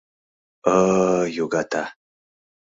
— Ы-ы-ы, югата...